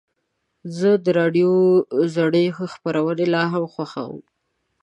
زه د راډیو زړې خپرونې لا هم خوښوم.